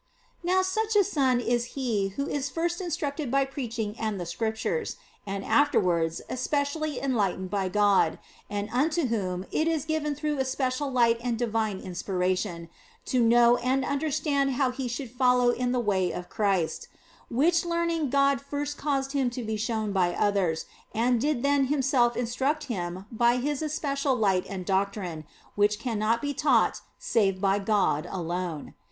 Now such a son is he who is first instructed by preaching and the Scriptures, and afterwards especially enlightened by God, and unto whom it is given through especial light and divine inspiration to know and understand how he should follow in the way of Christ ; which learning God first caused him to be shown by others and did then Himself instruct him by His especial light and doctrine, which cannot be taught save by God alone.